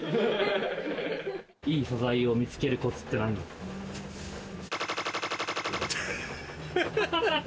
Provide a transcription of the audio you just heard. いい素材を見つけるコツって何ですか？